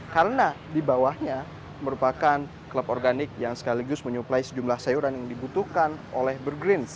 karena dibawahnya merupakan club organik yang sekaligus menyuplai sejumlah sayuran yang dibutuhkan oleh burgerins